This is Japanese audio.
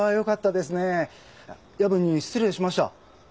夜分に失礼しました。